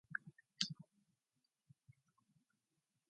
He was also the voice of the "National Research Council Time Signal".